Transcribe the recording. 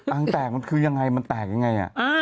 งแตกมันคือยังไงมันแตกยังไง